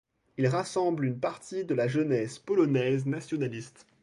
Il rassemble une partie de la jeunesse polonaise nationaliste.